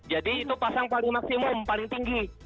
jadi itu pasang paling maksimum paling tinggi